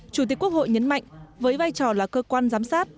chủ tịch quốc hội nhấn mạnh với vai trò là cơ quan giám sát